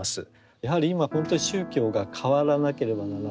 やはり今本当に宗教が変わらなければならない。